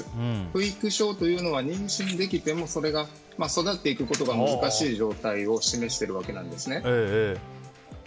不育症というのは妊娠できても育っていくことが難しい状態を示しているわけなんですね。